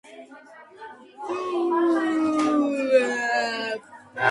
ფაგები ერთმანეთისგან დამოუკიდებლად აღმოაჩინეს ფრედერიკ ტუორტმა და ფელიქს დერელმა